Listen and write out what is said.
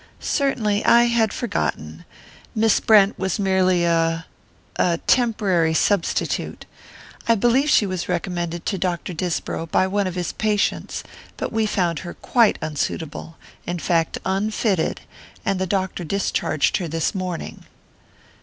Certainly I had forgotten: Miss Brent was merely a er temporary substitute. I believe she was recommended to Dr. Disbrow by one of his patients; but we found her quite unsuitable in fact, unfitted and the doctor discharged her this morning."